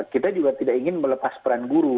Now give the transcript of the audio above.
kita juga tidak ingin melepas peran guru